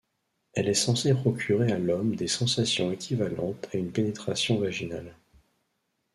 Elle est censée procurer à l’homme des sensations équivalentes à une pénétration vaginale.